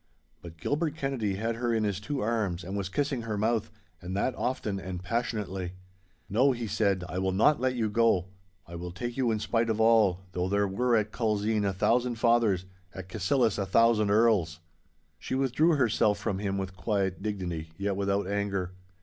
But Gilbert Kennedy had her in his two arms and was kissing her mouth, and that often and passionately. 'No,' he said, 'I will not let you go. I will take you in spite of all—though there were at Culzean a thousand fathers—at Cassillis a thousand earls!' She withdrew herself from him with quiet dignity, yet without anger.